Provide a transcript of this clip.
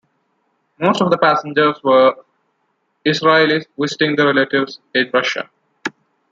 Most of the passengers were Israelis visiting their relatives in Russia.